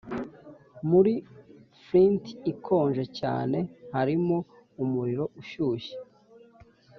muri flint ikonje cyane harimo umuriro ushushe